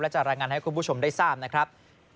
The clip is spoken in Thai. จะรายงานให้คุณผู้ชมได้ทราบนะครับ